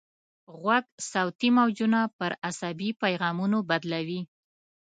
غوږ صوتي موجونه پر عصبي پیغامونو بدلوي.